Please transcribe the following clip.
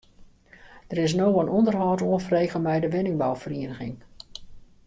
Der is no in ûnderhâld oanfrege mei de wenningbouferieniging.